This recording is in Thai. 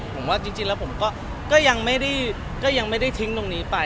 ผมว่าจริงแล้วผมก็ยังไม่ได้ทิ้งตรงนี้ไป